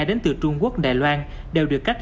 đến từ vùng dịch bệnh viêm phổ cấp được triển khai